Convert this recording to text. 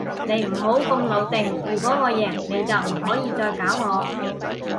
你唔好咁老定，如果我贏，你就唔可以再搞我